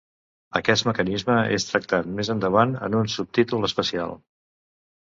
Aquest mecanisme és tractat més endavant en un subtítol especial.